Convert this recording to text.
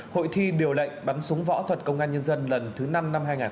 hội thi điều lệnh bắn súng võ thuật công an nhân dân lần thứ năm năm hai nghìn hai mươi